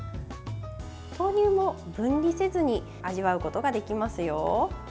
豆乳も分離せずに味わうことができますよ。